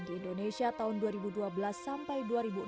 di indonesia tahun dua ribu dua belas sampai dua ribu enam belas